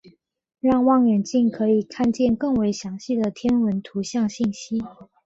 让望远镜可以看见更为详细的天文图像信息。